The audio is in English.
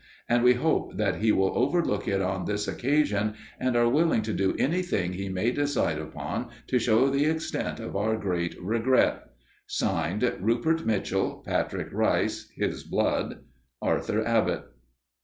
And we hope that he will overlook it on this occasion and are willing to do anything he may decide upon to show the extent of our great regret. (Signed) RUPERT MITCHELL, PATRICK RICE (his blood), ARTHUR ABBOTT.